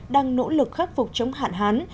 đang nỗ lực khắc phục chống hạn hán